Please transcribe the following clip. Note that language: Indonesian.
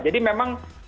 jadi memang cukup berhasil